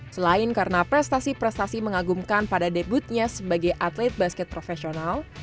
selain karena prestasi prestasi mengagumkan pada debutnya sebagai atlet basket profesional